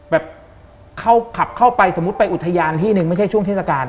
แบบเข้าขับเข้าไปสมมุติไปอุทยานที่หนึ่งไม่ใช่ช่วงเทศกาล